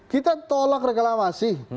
kita tolak reklamasi